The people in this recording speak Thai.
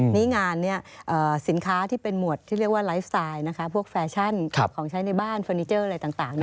นี่งานสินค้าที่เป็นหมวดที่เรียกว่าไลฟ์สไตล์พวกแฟชั่นของใช้ในบ้านเฟอร์นิเจอร์อะไรต่าง